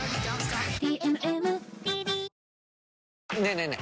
ねえねえ